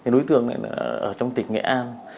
đối tượng này là ở trong tỉnh nghệ an